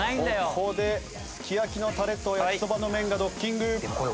ここですき焼きのタレと焼きそばの麺がドッキング。